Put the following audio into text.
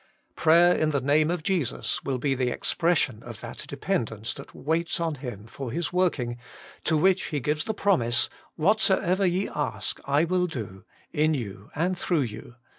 Prayer in the name of Jesus will be the expression of that dependence that waits on Him for His working, to which He gives the promise : Whatsoever ye ask, I. will do, in you and through you.